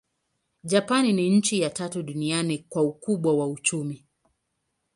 Japani ni nchi ya tatu duniani kwa ukubwa wa uchumi.